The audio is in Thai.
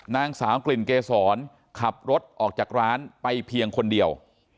นางสาวกลิ่นเกษรขับรถออกจากร้านไปเพียงคนเดียว